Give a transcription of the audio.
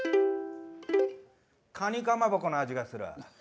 かにかまぼこの味がする。